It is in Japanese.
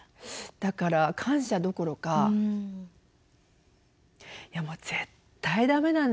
だから感謝どころかいやもう絶対ダメなんだ。